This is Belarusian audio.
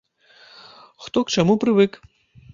Хто к чаму прывык.